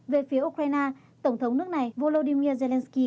về phía ukraine tổng thống nước này volodymyr zelenskyy